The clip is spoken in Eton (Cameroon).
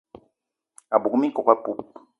A bug minkok apoup